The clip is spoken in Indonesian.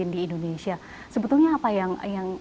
di indonesia sebetulnya apa yang